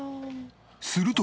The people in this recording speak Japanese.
すると